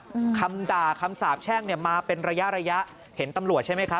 อืมคำด่าคำสาบแช่งเนี้ยมาเป็นระยะระยะเห็นตำรวจใช่ไหมครับ